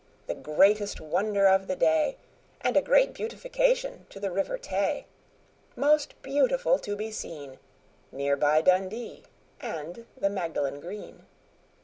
The greatest wonder of the day, And a great beautification to the River Tay, Most beautiful to be seen, Near by Dundee and the Magdalen Green.